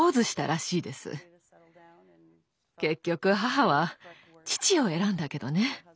結局母は父を選んだけどね。